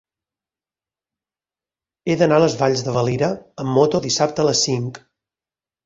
He d'anar a les Valls de Valira amb moto dissabte a les cinc.